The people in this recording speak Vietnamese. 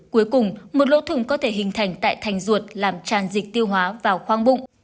cuối cùng một lỗ thùng có thể hình thành tại thành ruột làm tràn dịch tiêu hóa vào khoang bụng